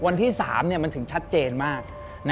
วันที่๓มันถึงชัดเจนมาก